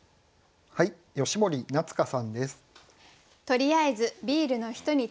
吉森夏香さんです。